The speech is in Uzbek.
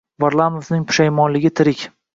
Varlamovning pushaymonligi tirik